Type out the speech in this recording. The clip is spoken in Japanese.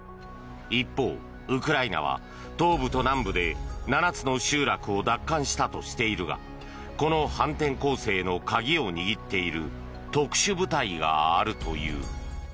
一方、ウクライナは東部と南部で７つの集落を奪還したとしているがこの反転攻勢の鍵を握っている特殊部隊があるという。